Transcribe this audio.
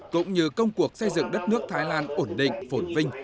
cũng như công cuộc xây dựng đất nước thái lan ổn định phổn vinh